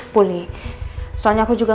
pulih soalnya aku juga